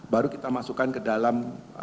baru kita masukkan ke dalam